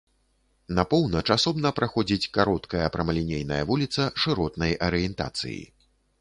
На поўнач асобна праходзіць кароткая прамалінейная вуліца шыротнай арыентацыі.